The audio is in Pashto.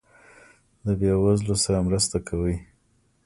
د بې وزلو سره مرسته کوئ؟